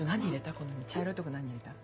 この茶色とこ何入れた？